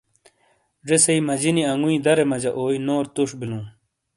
زیسئی مَجِینی انگُوئ دَرے مَجا اوئی نور تُوش بِیلُوں۔